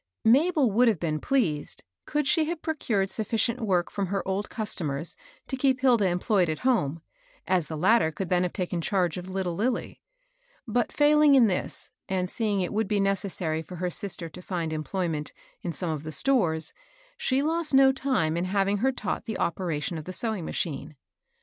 [ABEL would have been pleased, could she have procured sufficient work from her old customers to keep Hilda employed at home, as the latter could then have taken charge of little Lilly. But, failing in this, and seeing it would be necessary for her sister to find employment in some of the stores, she lost no time in having her taught the operation of the sewing machine.